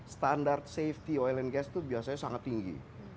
standar safety oil and gas itu biasanya sangat tinggi